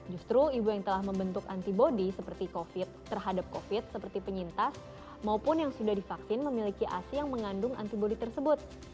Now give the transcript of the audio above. justru ibu yang telah membentuk antibody seperti covid terhadap covid seperti penyintas maupun yang sudah divaksin memiliki asi yang mengandung antibody tersebut